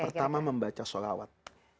yang pertama membaca sholawat